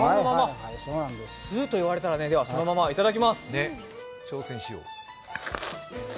通といわれたら、そのままいただきます。